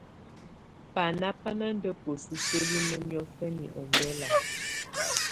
Báná bá ná ndá bǝ́su siǝ́linǝ́ niɔ́fɛna ɔmbɛla.